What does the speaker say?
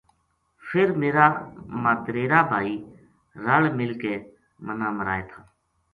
فر میرا ماتریرا بھائی رَل مِل کے منا مرائے تھا